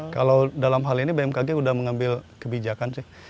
kalau dalam hal ini bmkg sudah mengambil kebijakan sih